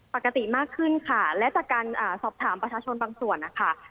ปกติมากขึ้นค่ะและจากการสอบถามประชาชนบางส่วนนะคะ